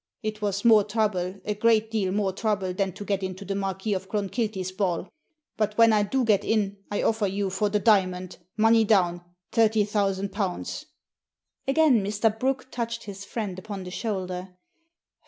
It was more trouble, a great deal more trouble, than to get into the Marquis of Clonkilty's ball. But when I do get in I offer you for the diamond, money down, thirty thousand pounds." Again Mr. Brooke touched his friend upon the shoulder.